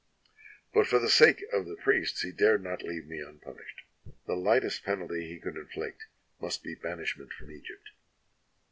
But for the sake of the priests he dared not leave me unpunished. The lightest penalty he could inflict must be banishment from Egypt.